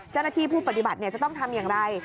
เจ้าหน้าที่ผู้ปฏิบัติจะต้องทำอย่างไร